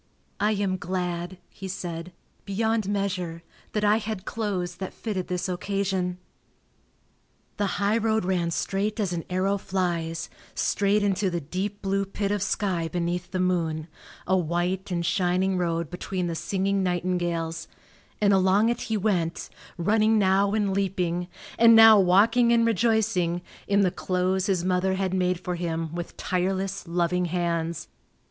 "I am glad," he said, "beyond measure, that I had clothes that fitted this occasion." The highroad ran straight as an arrow flies, straight into the deep blue pit of sky beneath the moon, a white and shining road between the singing nightingales, and along it he went, running now and leaping, and now walking and rejoicing, in the clothes his mother had made for him with tireless, loving hands.